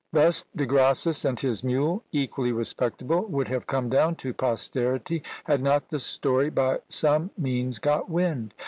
Thus De Grassis and his mule, equally respectable, would have come down to posterity, had not the story by some means got wind!